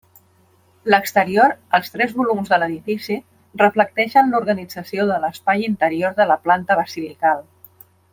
L'exterior, els tres volums de l'edifici, reflecteixen l'organització de l'espai interior de la planta basilical.